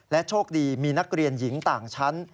โชคดีมีนักเรียนหญิงต่างชั้น